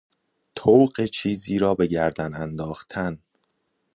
طوق چیزی را بگردن انداختن